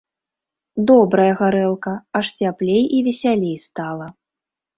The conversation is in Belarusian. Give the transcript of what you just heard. Добрая гарэлка, аж цяплей і весялей стала.